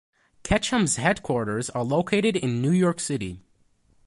Ketchum's headquarters are located in New York City.